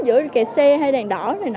giữa kẹt xe hay đèn đỏ